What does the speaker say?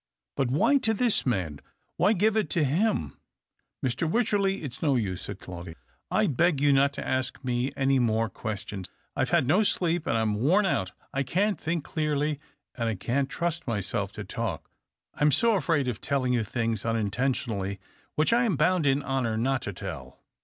" But why to this man ? Why give it to him ?"" Mr. Wycherley, it's no use," said Claudius. *' I beg you not to ask me any more questions. I've had no sleep, and I'm worn out. I can't think clearly, and I can't trust myself to talk. I'm so afraid of telling you things unin tentionally, which I am hound in honour not to tell.